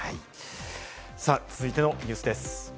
続いてのニュースです。